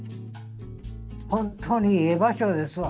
本当にええ場所ですわ。